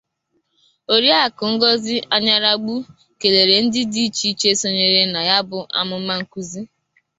Oriakụ Ngọzị Anyaragbu kelere ndị dị iche iche sonyere na ya bụ amụmà nkuzi